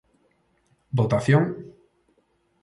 Votación.